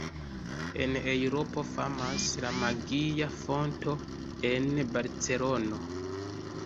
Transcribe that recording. En Eŭropo famas la Magia Fonto en Barcelono.